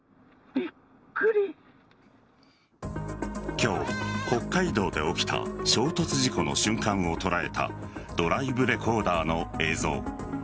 今日、北海道で起きた衝突事故の瞬間を捉えたドライブレコーダーの映像。